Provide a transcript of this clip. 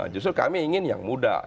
justru kami ingin yang muda